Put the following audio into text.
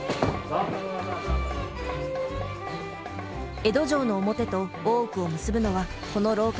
江戸城の表と大奥を結ぶのはこの廊下のみ。